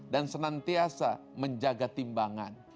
dan senantiasa menjaga timbangan